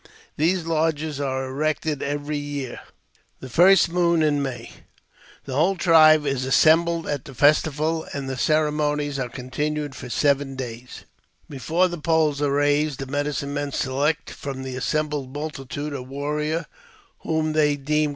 These lodges are srected every year — the first moon in May ; the whole tribe is ssembled at the festival, and the ceremonies are continued 16 et. 242 AUTOBIOGBAPHY OF for seven days. Before the poles are raised, the medicine mefll select from the assembled multitude a warrior whom they deei?